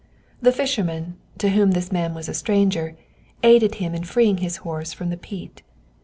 The fisherman, to whom this man was a stranger, aided him in freeing his horse from the peat.